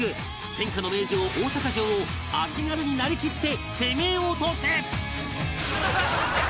天下の名城大阪城を足軽になりきって攻め落とせ！